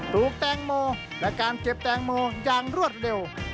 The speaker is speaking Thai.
ลูกแตงโมและการเก็บแตงโมอย่างรวดเร็ว